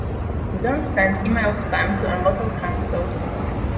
Don't send email spam to a local council